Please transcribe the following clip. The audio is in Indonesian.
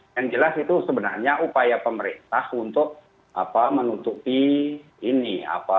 yang jelas itu sebenarnya upaya pemerintah untuk menutupi ini